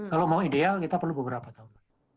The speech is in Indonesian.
kalau mau ideal kita perlu beberapa contoh